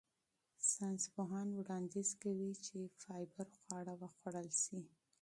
ساینسپوهان وړاندیز کوي چې فایبر خواړه وخوړل شي.